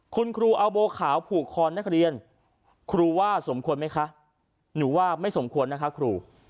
คุณครูเอาบัวขาวผูกคอนักเรียนครูว่าสมควรไหมคะหนูว่าไม่สมควรนะคะครู